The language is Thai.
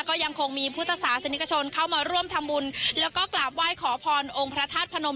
ก็ยังคงมีพุทธศาสนิกชนเข้ามาร่วมทำบุญแล้วก็กราบไหว้ขอพรองค์พระธาตุพนม